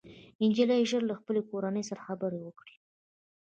نجلۍ ژر له خپلې کورنۍ سره خبرې وکړې